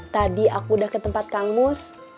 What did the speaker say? tadi aku udah ke tempat kang mus